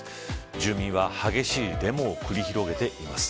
住民は激しいデモを繰り広げています。